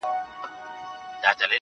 ستـا له خندا سره خبري كـوم.